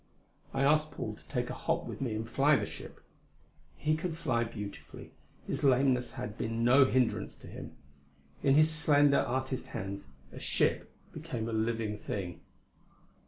I asked Paul to take a hop with me and fly the ship. He could fly beautifully; his lameness had been no hindrance to him. In his slender, artist hands a ship became a live thing.